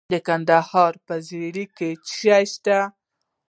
د کندهار په ژیړۍ کې څه شی شته؟